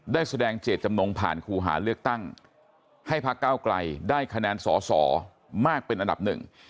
ได้แสดงเจตจำนงผ่านคู่หาเลือกตั้งให้พักเก้าไกลได้คะแนนสอสอมากเป็นอันดับหนึ่ง